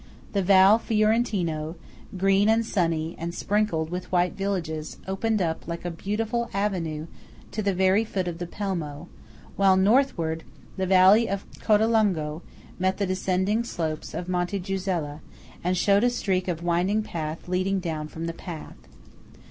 The Val Fiorentino, green and sunny and sprinkled with white villages, opened up, like a beautiful avenue, to the very foot of the Pelmo; while northward, the valley of Codalunga met the descending slopes of Monte Gusella, and showed a streak of winding path leading down from the pass.